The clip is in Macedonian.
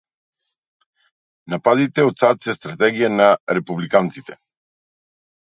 Нападите од САД се стратегија на републиканците